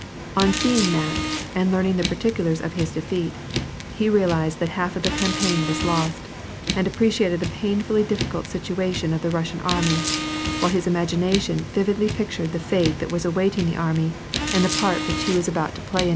On seeing Mack, and l(\arning the particulars of his defeat, he realized that half of the campaign was lost, and appreciated the painfully difficult situation of the Russian army, while his imagination vividly pictured the fate that was awaiting the army, and the part which he was about to play •" Yoa see the unfortunate Mack !" WAR AND PEACE.